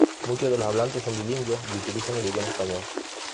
Muchos de sus hablantes son bilingües y utilizan el idioma español.